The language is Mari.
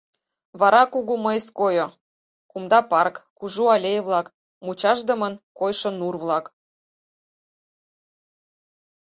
Вара кугу мыйс койо, кумда парк, кужу аллей-влак, мучашдымын койшо нур-влак.